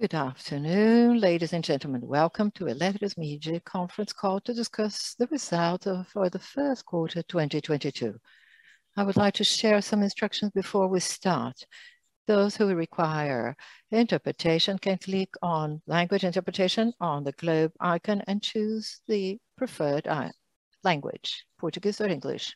Good afternoon, ladies and gentlemen. Welcome to Eletromidia conference call to discuss the results for the first quarter 2022. I would like to share some instructions before we start. Those who require interpretation can click on language interpretation on the globe icon and choose the preferred language, Portuguese or English.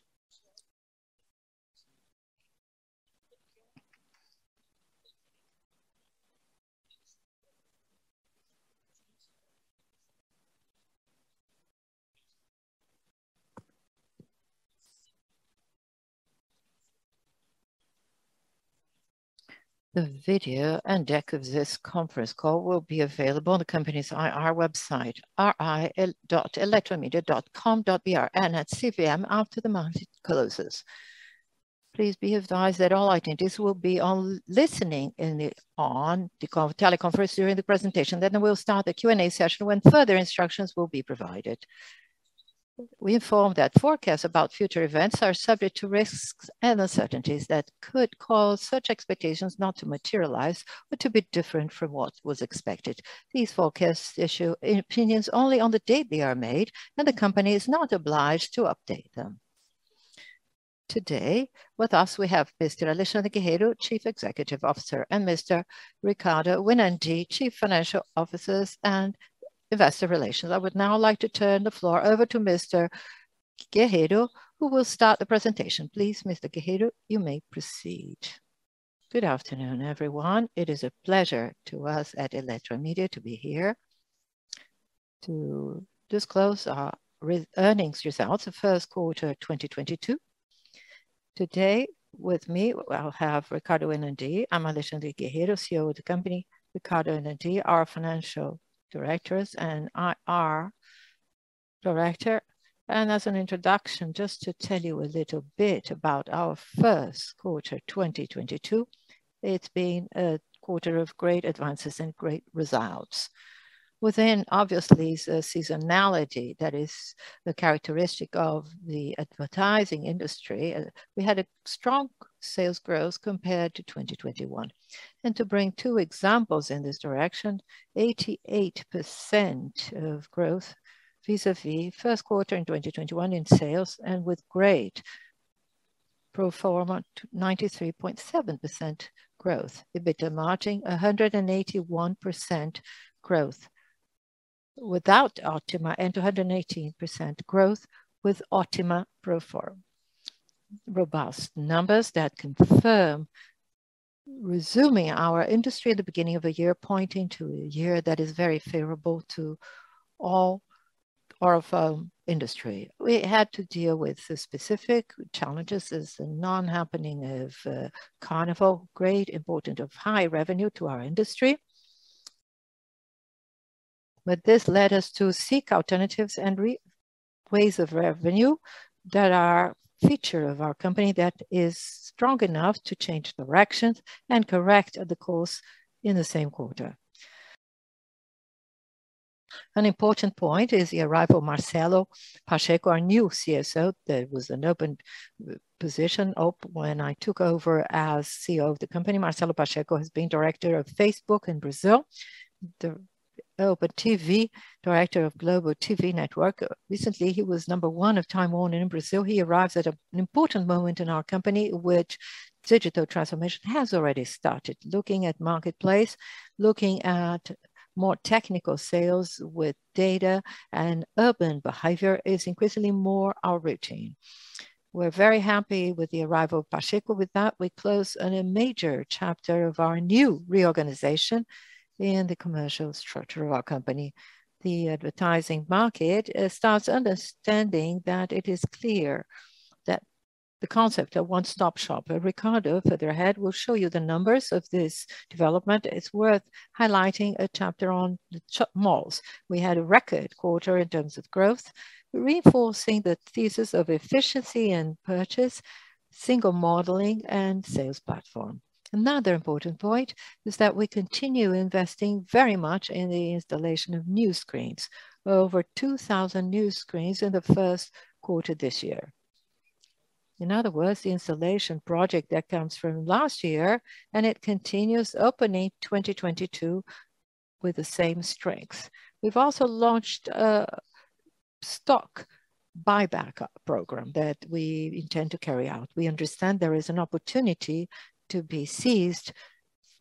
The video and deck of this conference call will be available on the company's IR website, ir.eletromidia.com.br and at CVM after the market closes. Please be advised that all participants will be in listen-only on the teleconference during the presentation. We'll start the Q&A session when further instructions will be provided. We inform that forecasts about future events are subject to risks and uncertainties that could cause such expectations not to materialize or to be different from what was expected. These forecasts issue opinions only on the date they are made, and the company is not obliged to update them. Today, with us, we have Mr. Alexandre Guerrero, Chief Executive Officer, and Mr. Ricardo Winandy, Chief Financial Officer and Investor Relations. I would now like to turn the floor over to Mr. Guerrero, who will start the presentation. Please, Mr. Guerrero, you may proceed. Good afternoon, everyone. It is a pleasure to us at Eletromidia to be here to disclose our earnings results the first quarter 2022. Today with me, I'll have Ricardo Winandy. I'm Alexandre Guerrero, CEO of the company. Ricardo Winandy, our financial director and IR director. As an introduction, just to tell you a little bit about our first quarter 2022. It's been a quarter of great advances and great results. Within obviously the seasonality that is the characteristic of the advertising industry, we had a strong sales growth compared to 2021. To bring two examples in this direction, 88% growth vis-à-vis first quarter in 2021 in sales and with great pro forma 93.7% growth. EBITDA margin 181% growth without Ótima and 218% growth with Ótima pro forma. Robust numbers that confirm the resumption of our industry at the beginning of the year, pointing to a year that is very favorable to all our firm industry. We had to deal with the specific challenges as the non-happening of Carnival. Of great importance of high revenue to our industry. This led us to seek alternatives and ways of revenue that are feature of our company that is strong enough to change directions and correct the course in the same quarter. An important point is the arrival of Marcelo Pacheco, our new CSO. That was an open position when I took over as CEO of the company. Marcelo Pacheco has been director of Facebook in Brazil, director of TV Globo. Recently, he was number one of WarnerMedia in Brazil. He arrives at an important moment in our company, which digital transformation has already started. Looking at marketplace, looking at more technical sales with data and urban behavior is increasingly more our routine. We're very happy with the arrival of Pacheco. With that, we close on a major chapter of our new reorganization in the commercial structure of our company. The advertising market starts understanding that it is clear that the concept of one-stop shop. Ricardo, further ahead, will show you the numbers of this development. It's worth highlighting a chapter on the malls. We had a record quarter in terms of growth, reinforcing the thesis of efficiency and purchase, single modeling and sales platform. Another important point is that we continue investing very much in the installation of new screens. Over 2,000 new screens in the first quarter this year. In other words, the installation project that comes from last year, and it continues opening 2022 with the same strength. We've also launched a stock buyback program that we intend to carry out. We understand there is an opportunity to be seized.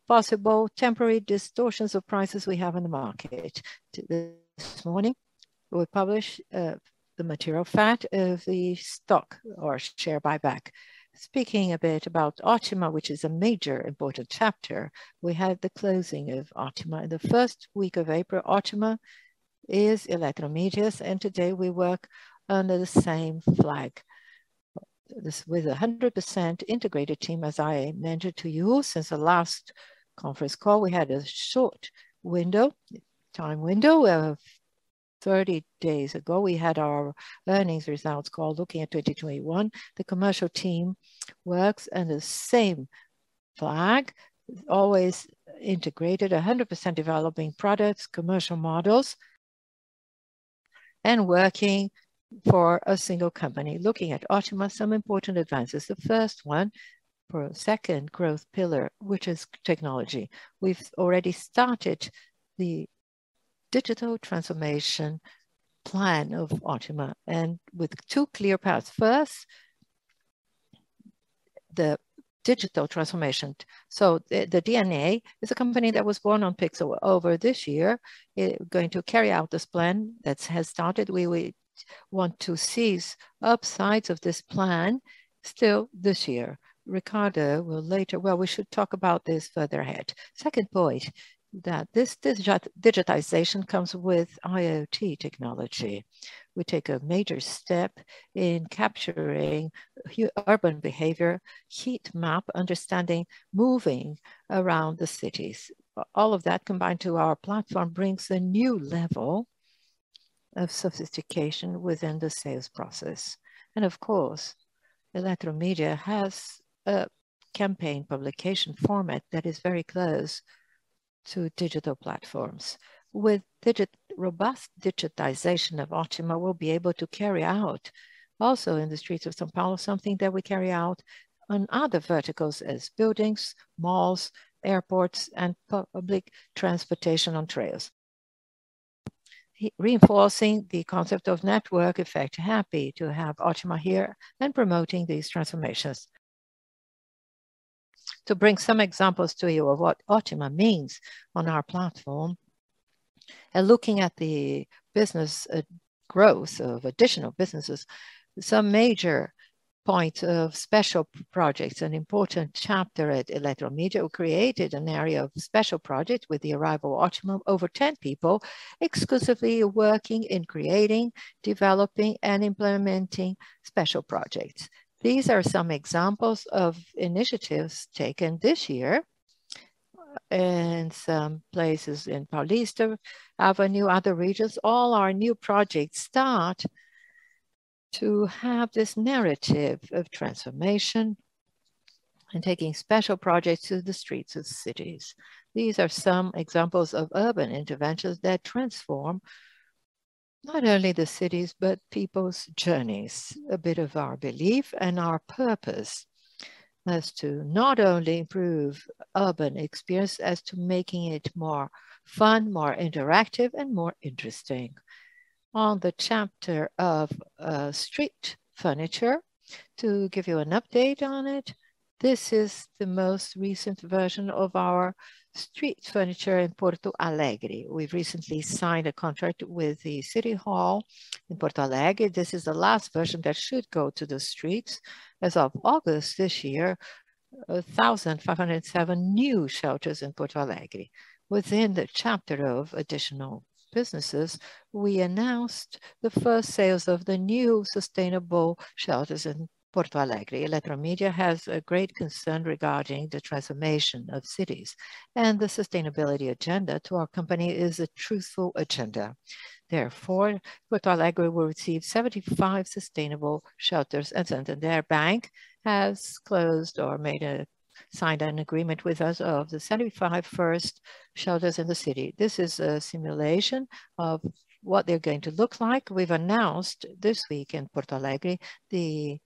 Possible temporary distortions of prices we have in the market. This morning, we publish the material fact of the stock or share buyback. Speaking a bit about Ótima, which is a major important chapter, we had the closing of Ótima. In the first week of April, Ótima is Eletromidia's, and today we work under the same flag. This with a 100% integrated team, as I mentioned to you since the last conference call. We had a short time window of 30 days ago. We had our earnings results call looking at 2021. The commercial team works under the same flag, always integrated, 100% developing products, commercial models and working for a single company. Looking at Ótima, some important advances. The first one, for a second growth pillar, which is technology. We've already started the digital transformation plan of Ótima and with two clear paths. First, the digital transformation. The DNA is a company that was born on pixel. Over this year, it going to carry out this plan that has started. We want to seize upsides of this plan still this year. Ricardo will later. Well, we should talk about this further ahead. Second point, that this digitization comes with IoT technology. We take a major step in capturing urban behavior, heat map, understanding moving around the cities. All of that combined to our platform brings a new level of sophistication within the sales process. Of course, Eletromidia has a campaign publication format that is very close to digital platforms. With robust digitization of Ótima, we'll be able to carry out also in the streets of São Paulo, something that we carry out on other verticals as buildings, malls, airports, and public transportation on rails. Reinforcing the concept of network effect. Happy to have Ótima here and promoting these transformations. To bring some examples to you of what Ótima means on our platform and looking at the business, growth of additional businesses, some major point of special projects. An important chapter at Eletromidia, we created an area of special projects with the arrival of Ótima. Over 10 people exclusively working in creating, developing, and implementing special projects. These are some examples of initiatives taken this year in some places in Paulista Avenue, other regions. All our new projects start to have this narrative of transformation and taking special projects to the streets of cities. These are some examples of urban interventions that transform not only the cities, but people's journeys. A bit of our belief and our purpose is to not only improve urban experience as to making it more fun, more interactive, and more interesting. On the chapter of street furniture, to give you an update on it, this is the most recent version of our street furniture in Porto Alegre. We've recently signed a contract with the city hall in Porto Alegre. This is the last version that should go to the streets as of August this year. 1,507 new shelters in Porto Alegre. Within the chapter of additional businesses, we announced the first sales of the new sustainable shelters in Porto Alegre. Eletromidia has a great concern regarding the transformation of cities, and the sustainability agenda to our company is a truthful agenda. Therefore, Porto Alegre will receive 75 sustainable shelters, et cetera. Their bank has signed an agreement with us of the 75 first shelters in the city. This is a simulation of what they're going to look like. We've announced this week in Porto Alegre, the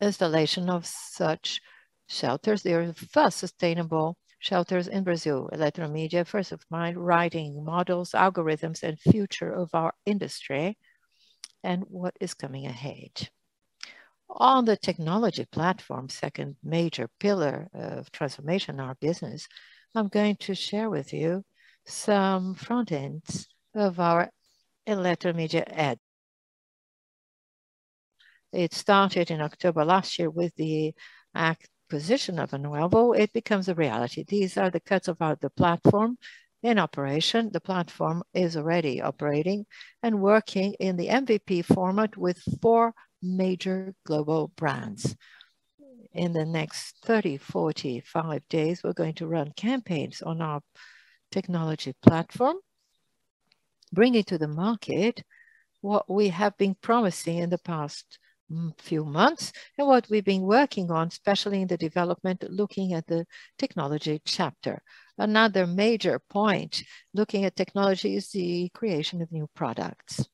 installation of such shelters. They are the first sustainable shelters in Brazil. Eletromidia first of mind writing models, algorithms, and future of our industry and what is coming ahead. On the technology platform, second major pillar of transformation in our business, I'm going to share with you some front ends of our Eletromidia Ads. It started in October last year with the acquisition of NoAlvo, it becomes a reality. These are the cuts about the platform in operation. The platform is already operating and working in the MVP format with four major global brands. In the next 30, 45 days, we're going to run campaigns on our technology platform, bring it to the market what we have been promising in the past few months, and what we've been working on, especially in the development, looking at the technology chapter. Another major point looking at technology is the creation of new products.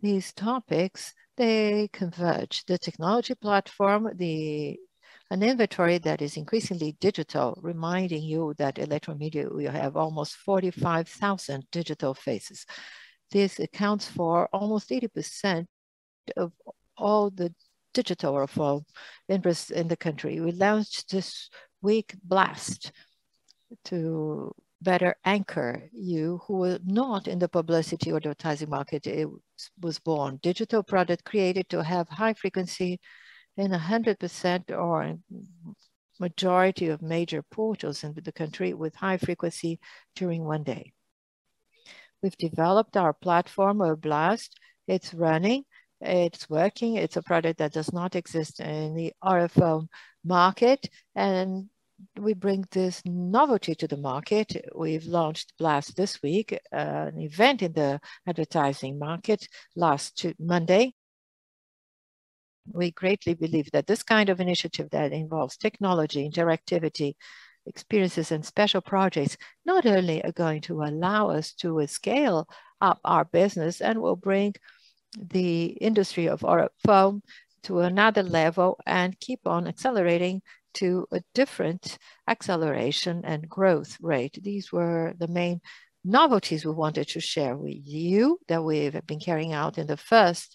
These topics, they converge the technology platform, an inventory that is increasingly digital, reminding you that Eletromidia will have almost 45,000 digital faces. This accounts for almost 80% of all the digital OOH in the country. We launched this week BLAST to better anchor you who were not in the publicity or advertising market it was born digital product created to have high frequency in 100% or majority of major portals in the country with high frequency during one day. We've developed our platform or BLAST. It's running, it's working. It's a product that does not exist in the OOH market, and we bring this novelty to the market. We've launched BLAST this week, an event in the advertising market last Monday. We greatly believe that this kind of initiative that involves technology, interactivity, experiences and special projects not only are going to allow us to scale up our business and will bring the industry of OOH forward to another level and keep on accelerating to a different acceleration and growth rate. These were the main novelties we wanted to share with you that we've been carrying out in the first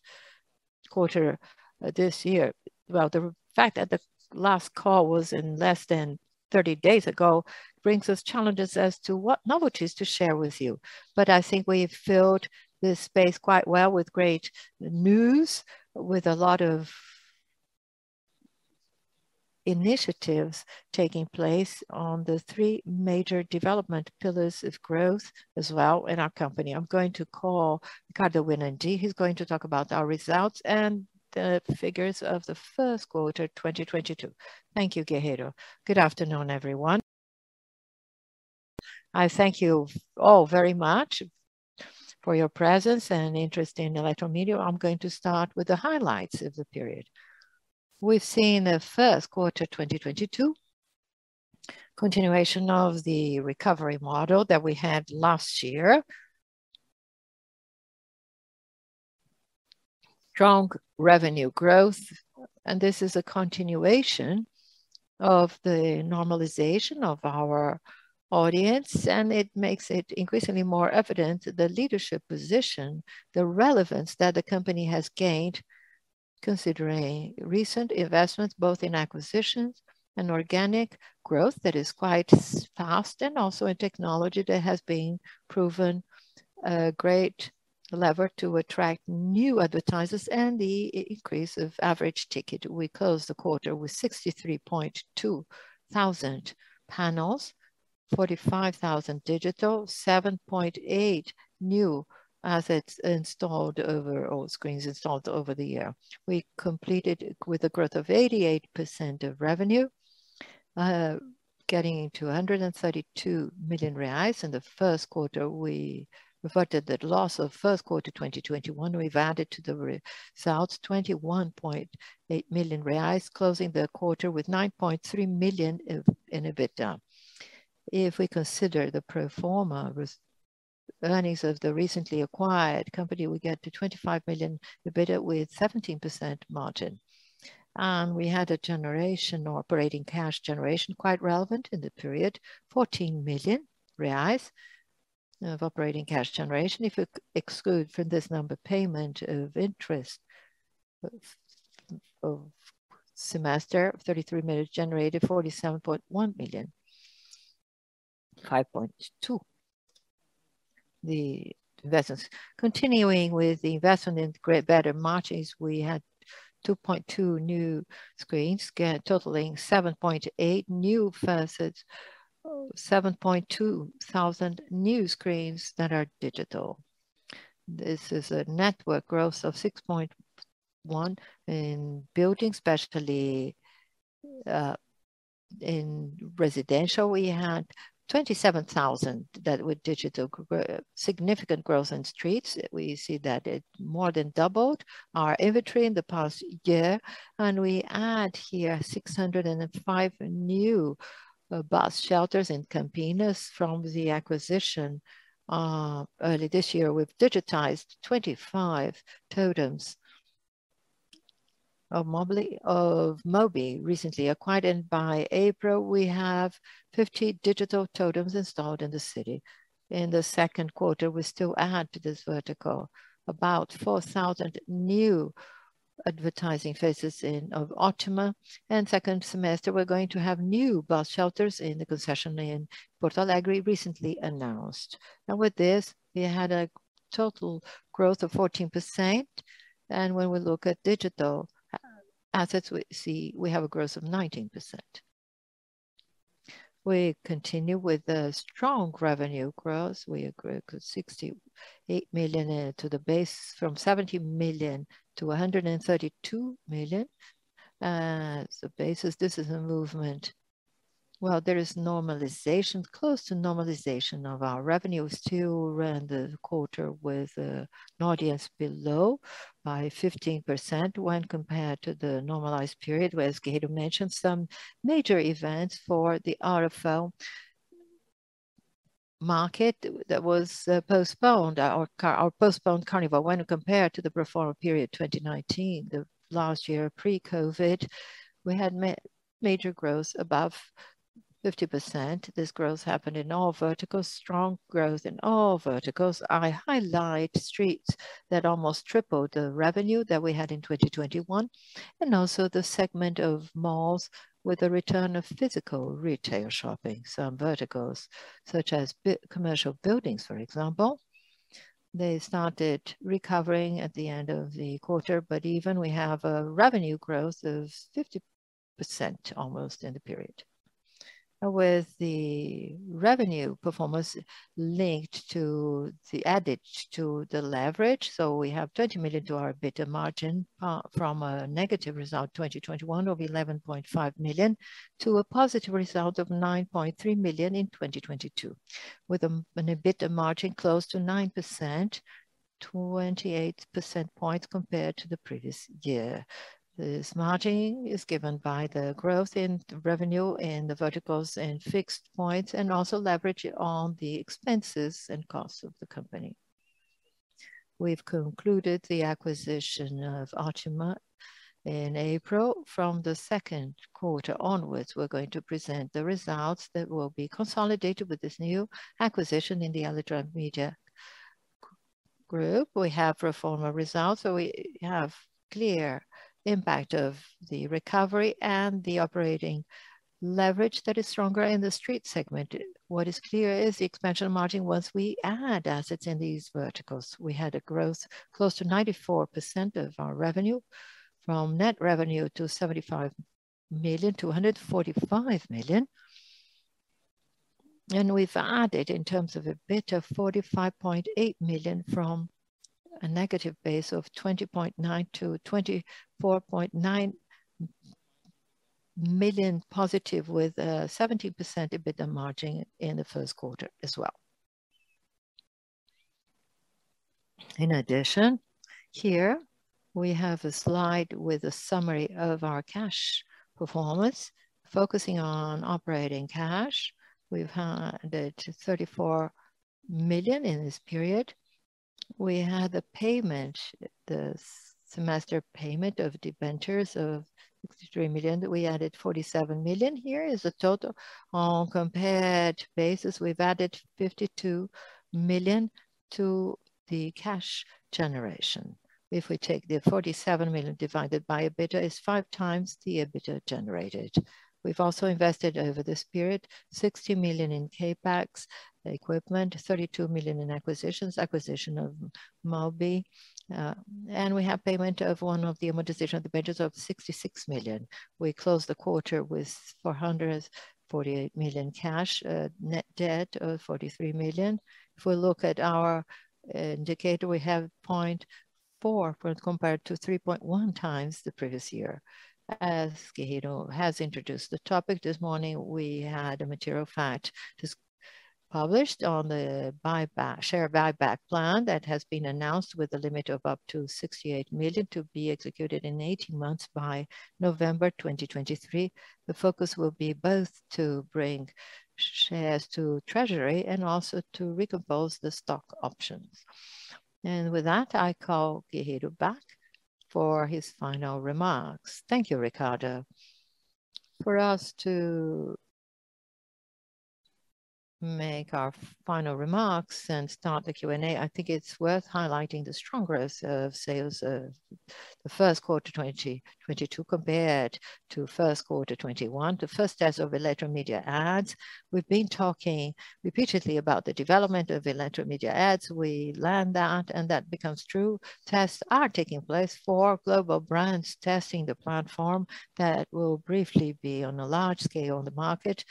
quarter this year. Well, the fact that the last call was in less than 30 days ago brings us challenges as to what novelties to share with you. I think we've filled this space quite well with great news, with a lot of initiatives taking place on the three major development pillars of growth as well in our company. I'm going to call Ricardo Winandy, who's going to talk about our results and the figures of the first quarter, 2022. Thank you, Guerrero. Good afternoon, everyone. I thank you all very much for your presence and interest in Eletromidia. I'm going to start with the highlights of the period. We've seen the first quarter 2022, continuation of the recovery model that we had last year. Strong revenue growth. This is a continuation of the normalization of our audience, and it makes it increasingly more evident the leadership position, the relevance that the company has gained considering recent investments, both in acquisitions and organic growth that is quite fast and also in technology that has been proven a great lever to attract new advertisers and the increase of average ticket. We closed the quarter with 63200 panels, 45 thousand digital, 7.8 new assets installed or screens installed over the year. We completed with a growth of 88% of revenue, getting to 132 million reais. In the first quarter, we reflected the loss of first quarter 2021. We've added to the results 21.8 million reais, closing the quarter with 9.3 million in EBITDA. If we consider the pro forma earnings of the recently acquired company, we get to 25 million EBITDA with 17% margin. We had a generation or operating cash generation quite relevant in the period, 14 million reais of operating cash generation. If you exclude from this number payment of semiannual interest, 33 million, generated 47.1 million. 5.2. The investments. Continuing with the investment in greater margins, we had 2.2 new screens, totaling 7.8 new faces, 7,200 new screens that are digital. This is a network growth of 6.1% in buildings, especially in residential, we had 27,000 that with digital. Significant growth in streets. We see that it more than doubled our inventory in the past year. We add here 605 new bus shelters in Campinas from the acquisition early this year. We've digitized 25 totems of MOOHB recently acquired. By April, we have 50 digital totems installed in the city. In the second quarter, we still add to this vertical about 4,000 new advertising faces of Ótima. Second semester, we're going to have new bus shelters in the concession in Porto Alegre recently announced. Now with this, we had a total growth of 14%. When we look at digital assets, we see we have a growth of 19%. We continue with a strong revenue growth. We grew by 68 million from 70 million to 132 million. So basically, this is a movement. Well, there is normalization, close to normalization of our revenue. We still ran the quarter with an audience below by 15% when compared to the normalized period, where as Guerrero mentioned, some major events for the OOH market that was postponed or postponed Carnival. When compared to the pro forma period 2019, the last year pre-COVID, we had major growth above 50%. This growth happened in all verticals, strong growth in all verticals. I highlight streets that almost tripled the revenue that we had in 2021, and also the segment of malls with a return of physical retail shopping. Some verticals, such as commercial buildings, for example, they started recovering at the end of the quarter. Even we have a revenue growth of 50% almost in the period. With the revenue performance linked to the debt to the leverage. We have 30 million to our EBITDA margin, from a negative result, 2021 of 11.5 million, to a positive result of 9.3 million in 2022, with an EBITDA margin close to 9%. 28 percentage points compared to the previous year. This margin is given by the growth in the revenue in the verticals and fixed points, and also leverage on the expenses and costs of the company. We've concluded the acquisition of Ótima in April. From the second quarter onwards, we're going to present the results that will be consolidated with this new acquisition in the Eletromidia Group. We have pro forma results, so we have clear impact of the recovery and the operating leverage that is stronger in the street segment. What is clear is the expansion margin once we add assets in these verticals. We had a growth close to 94% of our revenue from net revenue to 75 million to 145 million. We've added in terms of EBITDA, 45.8 million from a negative base of 20.9 to 24.9 million positive with seventy percent EBITDA margin in the first quarter as well. In addition, here we have a slide with a summary of our cash performance. Focusing on operating cash, we've had 34 million in this period. We had a payment, the semester payment of debentures of 63 million. We added 47 million here as a total. On a comparable basis, we've added 52 million to the cash generation. If we take the 47 million divided by EBITDA is 5x the EBITDA generated. We've also invested over this period, 60 million in CapEx equipment, 32 million in acquisitions, acquisition of Mobi. We have payment of one of the amortization of debentures of 66 million. We closed the quarter with 448 million cash, net debt of 43 million. If we look at our indicator, we have 0.4x compared to 3.1x the previous year. As Guerrero has introduced the topic this morning, we had a material fact just published on the buyback, share buyback plan that has been announced with a limit of up to 68 million to be executed in 18 months by November 2023. The focus will be both to bring shares to treasury and also to recompose the stock options. With that, I call Guerrero back for his final remarks. Thank you, Ricardo. For us to make our final remarks and start the Q&A, I think it's worth highlighting the strong growth of sales of the first quarter 2022 compared to first quarter 2021. The first test of Eletromidia Ads. We've been talking repeatedly about the development of Eletromidia Ads. We learned that, and that becomes true. Tests are taking place for global brands testing the platform that will briefly be on a large scale on the market,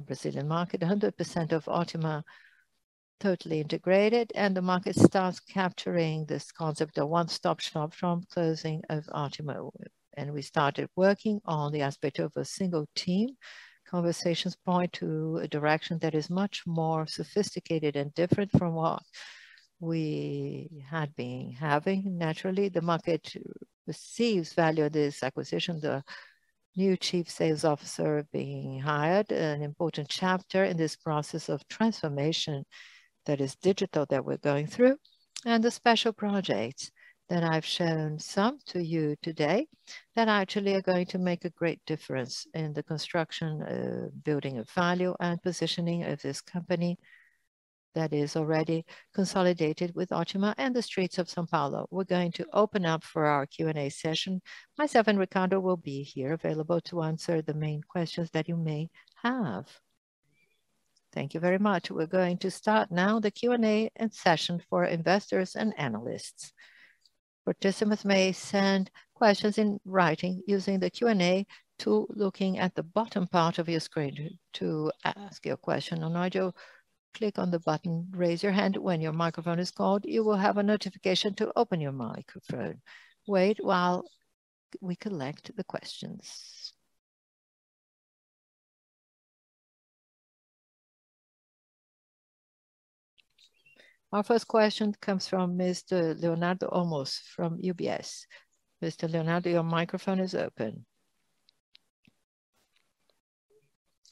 the Brazilian market. 100% of Ótima totally integrated, and the market starts capturing this concept of one-stop shop from closing of Ótima. We started working on the aspect of a single team. Conversations point to a direction that is much more sophisticated and different from what we had been having. Naturally, the market receives value of this acquisition, the new chief sales officer being hired, an important chapter in this process of transformation that is digital that we're going through. The special projects that I've shown some to you today that actually are going to make a great difference in the construction, building of value, and positioning of this company that is already consolidated with Ótima and the streets of São Paulo. We're going to open up for our Q&A session. Myself and Ricardo will be here available to answer the main questions that you may have. Thank you very much. We're going to start now the Q&A session for investors and analysts. Participants may send questions in writing using the Q&A tool, looking at the bottom part of your screen to ask your question. If you click on the button, raise your hand. When your microphone is called, you will have a notification to open your microphone. Wait while we collect the questions. Our first question comes from Mr. Leonardo Olmos from UBS. Mr. Leonardo, your microphone is open.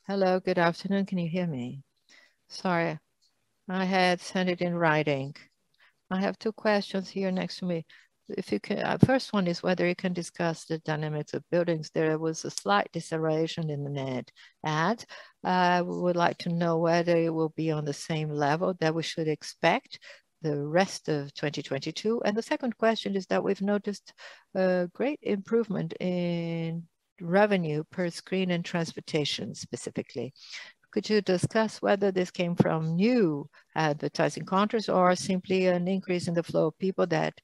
Hello, good afternoon. Can you hear me? Sorry, I had sent it in writing. I have two questions here next to me, if you can. First one is whether you can discuss the dynamics of buildings. There was a slight deceleration in the net ad. We would like to know whether it will be on the same level that we should expect the rest of 2022. The second question is that we've noticed a great improvement in revenue per screen and transportation specifically. Could you discuss whether this came from new advertising contracts or simply an increase in the flow of people that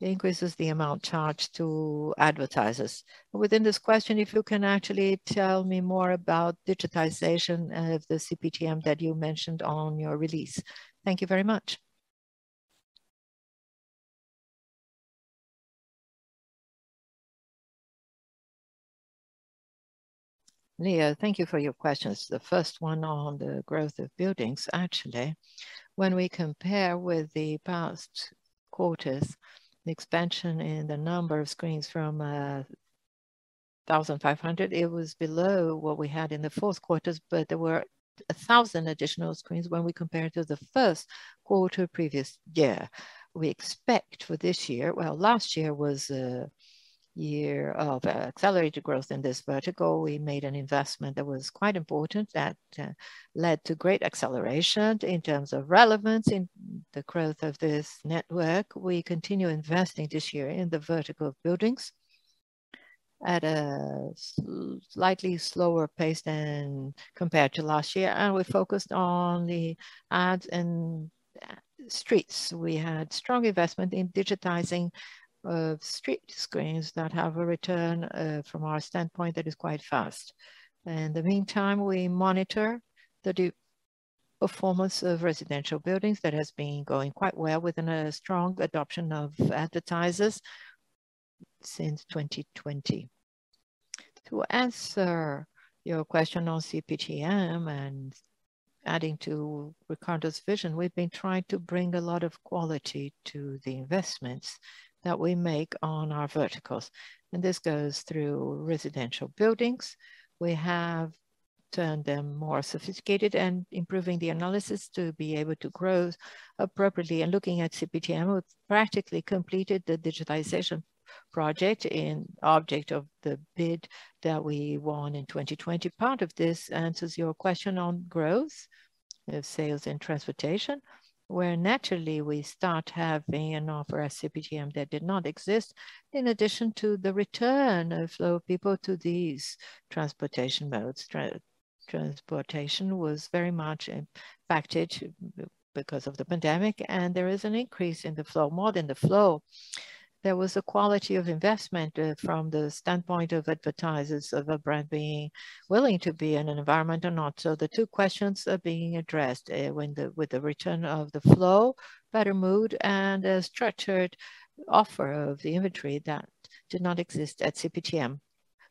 increases the amount charged to advertisers? Within this question, if you can actually tell me more about digitization of the CPTM that you mentioned on your release. Thank you very much. Leo, thank you for your questions. The first one on the growth of buildings. Actually, when we compare with the past quarters, the expansion in the number of screens from 1,500, it was below what we had in the fourth quarters, but there were 1,000 additional screens when we compare to the first quarter previous year. We expect for this year. Well, last year was a year of accelerated growth in this vertical. We made an investment that was quite important that led to great acceleration in terms of relevance in the growth of this network. We continue investing this year in the vertical of buildings at a slightly slower pace than compared to last year, and we're focused on the ads in streets. We had strong investment in digitizing street screens that have a return from our standpoint that is quite fast. In the meantime, we monitor the performance of residential buildings that has been going quite well within a strong adoption of advertisers since 2020. To answer your question on CPTM and adding to Ricardo's vision, we've been trying to bring a lot of quality to the investments that we make on our verticals, and this goes through residential buildings. We have turned them more sophisticated and improving the analysis to be able to grow appropriately. Looking at CPTM, we've practically completed the digitization project, the object of the bid that we won in 2020. Part of this answers your question on growth of sales and transportation, where naturally we start having an offer at CPTM that did not exist in addition to the return of flow of people to these transportation modes. Transportation was very much impacted because of the pandemic, and there is an increase in the flow. More than the flow, there was a quality of investment from the standpoint of advertisers of a brand being willing to be in an environment or not. The two questions are being addressed with the return of the flow, better mood, and a structured offer of the inventory that did not exist at CPTM.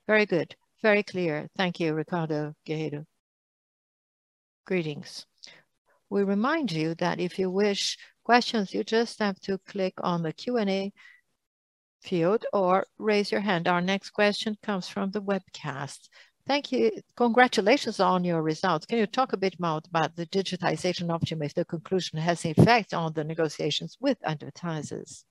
Very good. Very clear. Thank you, Ricardo, Guerrero. Greetings. We remind you that if you wish questions, you just have to click on the Q&A field or raise your hand. Our next question comes from the webcast. Thank you. Congratulations on your results. Can you talk a bit more about the digitization of Ótima if the acquisition has effect on the negotiations with advertisers?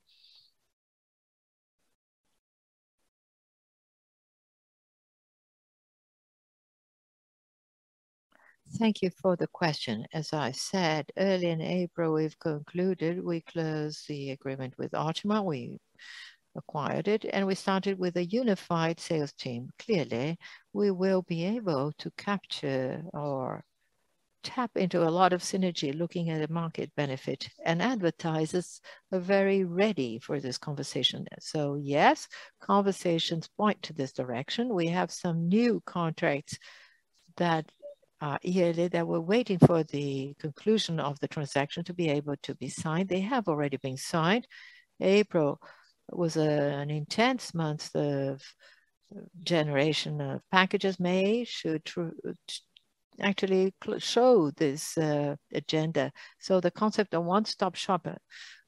Thank you for the question. As I said earlier in April, we've concluded, we closed the agreement with Ótima, we acquired it, and we started with a unified sales team. Clearly, we will be able to capture or tap into a lot of synergy looking at the market benefit. Advertisers are very ready for this conversation. Yes, conversations point to this direction. We have some new contracts that yearly that were waiting for the conclusion of the transaction to be able to be signed. They have already been signed. April was an intense month of generation of packages. May should actually show this agenda. The concept of one-stop shop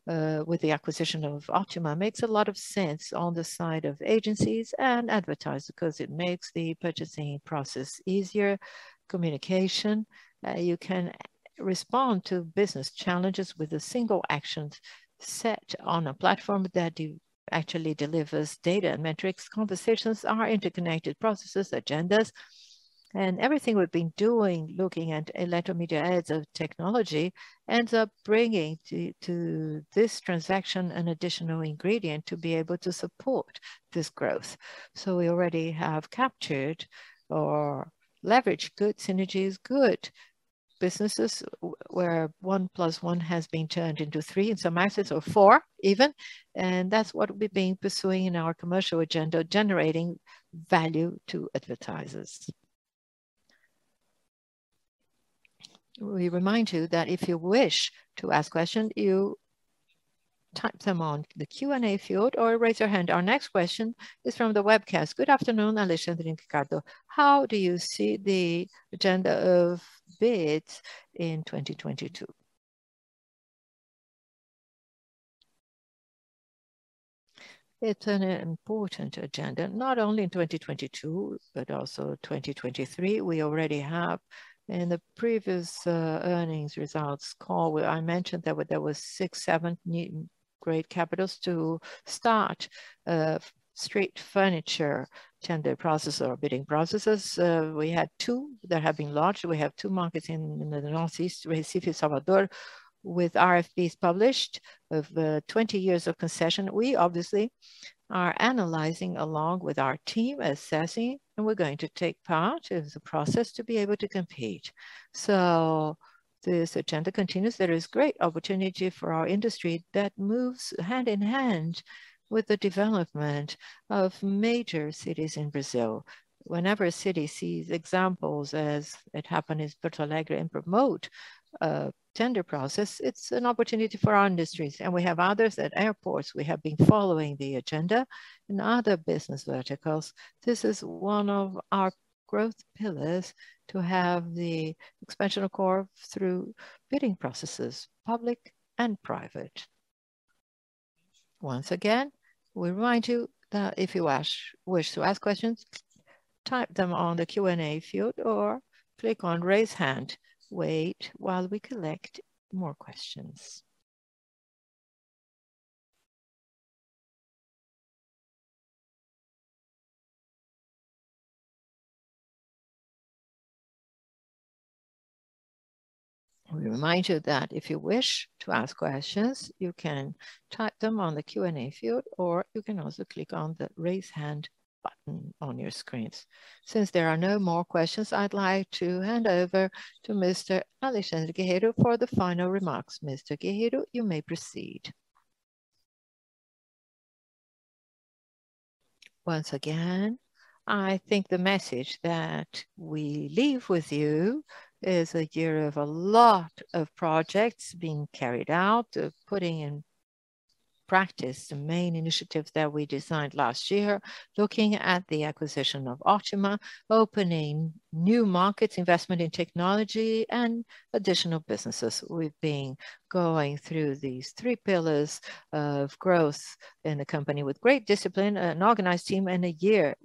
with the acquisition of Ótima makes a lot of sense on the side of agencies and advertisers 'cause it makes the purchasing process easier. Communication, you can respond to business challenges with a single action set on a platform that actually delivers data and metrics. Conversations are interconnected processes, agendas. Everything we've been doing looking at Eletromidia as a technology ends up bringing to this transaction an additional ingredient to be able to support this growth. We already have captured or leveraged good synergies, good businesses where one plus one has been turned into three, in some assets or four even. That's what we've been pursuing in our commercial agenda, generating value to advertisers. We remind you that if you wish to ask questions, you type them on the Q&A field or raise your hand. Our next question is from the webcast. Good afternoon, Alexandre and Ricardo. How do you see the agenda of bids in 2022? It's an important agenda, not only in 2022 but also 2023. We already have in the previous earnings results call where I mentioned that there was six, seven new great capitals to start street furniture tender process or bidding processes. We had two that have been launched. We have two markets in the northeast, Recife, Salvador, with RFPs published of 20 years of concession. We obviously are analyzing along with our team, assessing, and we're going to take part in the process to be able to compete. This agenda continues. There is great opportunity for our industry that moves hand in hand with the development of major cities in Brazil. Whenever a city sees examples, as it happened in Porto Alegre and promote a tender process, it's an opportunity for our industries. We have others at airports. We have been following the agenda in other business verticals. This is one of our growth pillars to have the expansion of core through bidding processes, public and private. Once again, we remind you that if you wish to ask questions, type them on the Q&A field or click on Raise Hand. Wait while we collect more questions. We remind you that if you wish to ask questions, you can type them on the Q&A field, or you can also click on the Raise Hand button on your screens. Since there are no more questions, I'd like to hand over to Mr. Alexandre Guerrero for the final remarks. Mr. Guerrero, you may proceed. Once again, I think the message that we leave with you is a year of a lot of projects being carried out, of putting in practice the main initiatives that we designed last year, looking at the acquisition of Ótima, opening new markets, investment in technology, and additional businesses. We've been going through these three pillars of growth in the company with great discipline, an organized team, and a year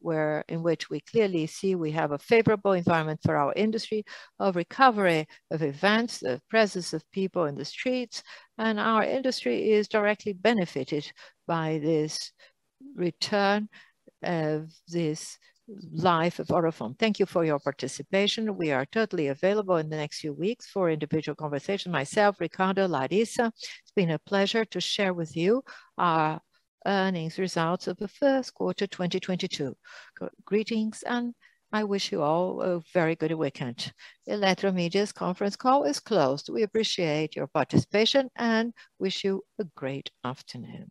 in which we clearly see we have a favorable environment for our industry of recovery, of events, the presence of people in the streets, and our industry is directly benefited by this return of this life out-of-home. Thank you for your participation. We are totally available in the next few weeks for individual conversation. Myself, Ricardo, Larissa, it's been a pleasure to share with you our earnings results of the first quarter 2022. Greetings, and I wish you all a very good weekend. Eletromidia's conference call is closed. We appreciate your participation and wish you a great afternoon.